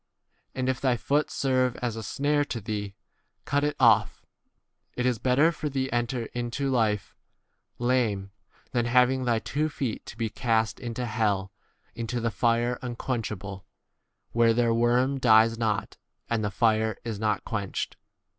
And if thy foot serve as a snare to thee, cut it off : it is better for thee to enter into life lame, than having [thy] two feet to be cast into hell, w into the fire 46 unquenchable ; where their worm dies not and the fire is not quench 47 ed.